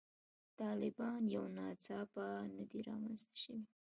طالبان یو ناڅاپه نه دي رامنځته شوي.